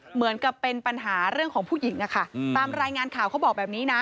เหมือนกับเป็นปัญหาเรื่องของผู้หญิงอะค่ะตามรายงานข่าวเขาบอกแบบนี้นะ